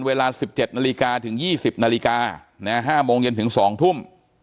เวลา๑๗นาฬิกาถึง๒๐นาฬิกา๕โมงเย็นถึง๒ทุ่ม